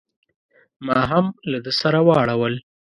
ما هم له ده سره واړول.